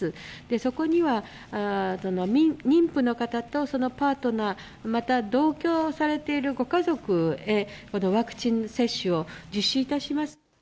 そこには妊婦の方と、そのパートナー、また、同居されているご家族へ、このワクチン接種を実施いたします。